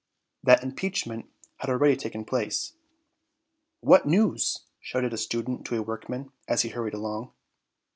That impeachment had already taken place! "What news?" shouted a student to a workman, as he hurried along.